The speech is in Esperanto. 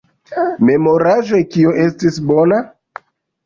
Memoraĵoj Kio estis bona?